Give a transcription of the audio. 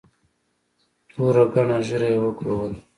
توره گڼه ږيره يې وګروله.